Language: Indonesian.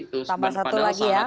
tambah satu lagi ya